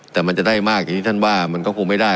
แต่มันจะได้มากอย่างที่ท่านว่ามันก็คงไม่ได้